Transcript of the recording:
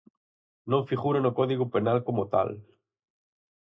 Non figura no Código Penal como tal.